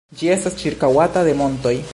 Ĝi estas ĉirkaŭata de montoj.